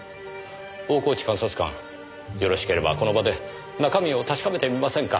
大河内監察官よろしければこの場で中身を確かめてみませんか。